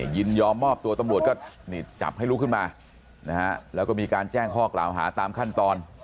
ยินยอมมอบตัวตำรวจก็จับให้ลุกขึ้นมาแล้วก็มีการแจ้งข้อกล่าวหาตามขั้นตอน